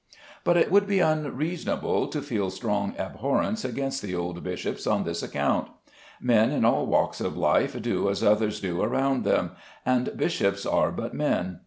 But it would be unreasonable to feel strong abhorrence against the old bishops on this account. Men in all walks of life do as others do around them, and bishops are but men.